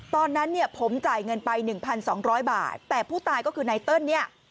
ตอนนั้นผมจ่ายเงินไป๑๒๐๐บาทแต่ผู้ตายก็คือในเติ้ล